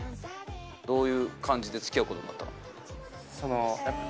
どういう感じで付き合う事になったの？